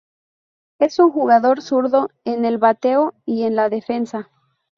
Es un jugador zurdo en el bateo y en la defensa.